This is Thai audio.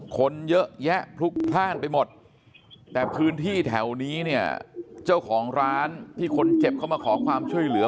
คนเยอะแยะพลุกพลาดไปหมดแต่พื้นที่แถวนี้เนี่ยเจ้าของร้านที่คนเจ็บเข้ามาขอความช่วยเหลือ